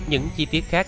những chi tiết khác